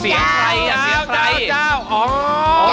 เสียงใครอ่ะเสียงใคร